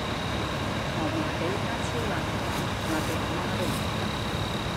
油麻地間超辣魚蛋辣到阿媽都唔認得